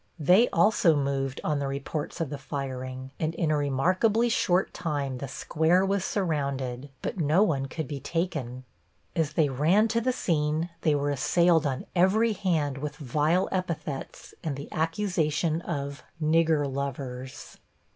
They also moved on the reports of the firing, and in a remarkably short time the square was surrounded, but no one could be taken. As they ran to the scene they were assailed on every hand with vile epithets and the accusation of "Nigger lovers."